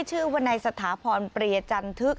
ชื่อว่านายสถาพรเปรียจันทึก